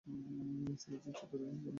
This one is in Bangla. সিরিজের চতুর্থ টেস্টে আম্পায়ারিত্ব করেন।